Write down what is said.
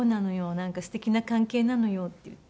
なんかすてきな関係なのよ」って言って。